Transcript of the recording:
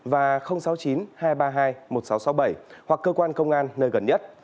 và sáu mươi chín hai trăm ba mươi hai một nghìn sáu trăm sáu mươi bảy hoặc cơ quan công an nơi gần nhất